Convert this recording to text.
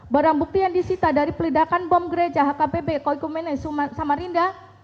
barang bukti yang disita dari peledakan bom gereja hkpb koikumene samarinda